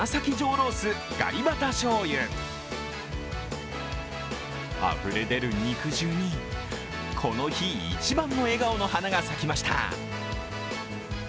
ロースガリバタ醤油あふれ出る肉汁に、この日一番の笑顔の花が咲きました。